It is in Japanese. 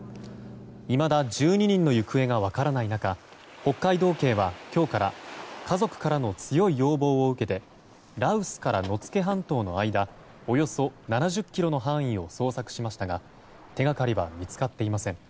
いまだ１２人の行方が分からない中、北海道警は今日から家族からの強い要望を受けて羅臼から野付半島の間およそ７０ｋｍの範囲を捜索しましたが手掛かりは見つかっていません。